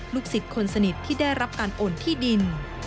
สิทธิ์คนสนิทที่ได้รับการโอนที่ดิน